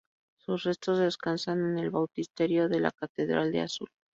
Sus restos descansan en el Bautisterio de la Catedral de Azul.